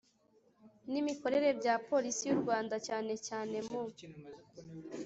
n imikorere bya polisi y u rwanda cyane cyane mu